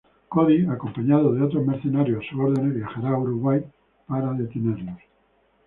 Cody, acompañado de otros mercenarios a sus órdenes, viajará a Uruguay para detenerlos.